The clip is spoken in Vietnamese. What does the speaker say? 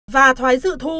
và thoái dự thu